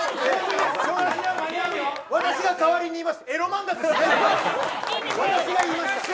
私が代わりに言います。